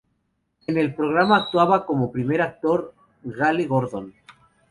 En el programa actuaba como primer actor Gale Gordon.